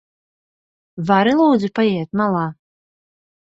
Vari lūdzu paiet malā?